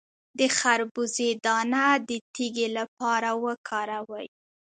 د خربوزې دانه د تیږې لپاره وکاروئ